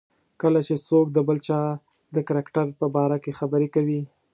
کله چې څوک د بل چا د کرکټر په باره کې خبرې کوي.